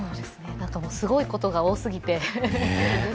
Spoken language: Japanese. すごいことが多すぎて。